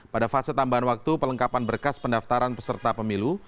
pada fase tambahan waktu pelengkapan berkas pendaftaran peserta pemilu